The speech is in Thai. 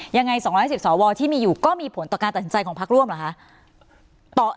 ยังไงสองร้อยห้าสิบสอวอที่มีอยู่ก็มีผลต่อการตัดสินใจของพักร่วมหรอฮะ